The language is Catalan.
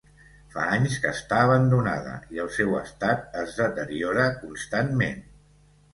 Fa anys que està abandonada, i el seu estat es deteriora constantment.